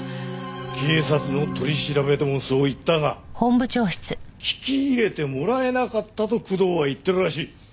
警察の取り調べでもそう言ったが聞き入れてもらえなかったと工藤は言ってるらしい。